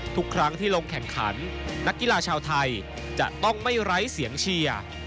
ทุกครั้งที่ลงแข่งขันนักกีฬาชาวไทยจะต้องไม่ไร้เสียงเชียร์